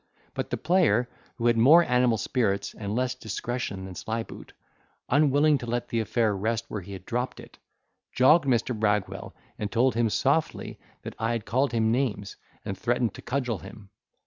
But the player, who had more animal spirits and less discretion than Slyboot, unwilling to let the affair rest where he had dropped it, jogged Mr. Bragwell and told him softly that I had called him names, and threatened to cudgel him.